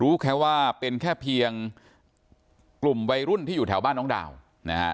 รู้แค่ว่าเป็นแค่เพียงกลุ่มวัยรุ่นที่อยู่แถวบ้านน้องดาวนะฮะ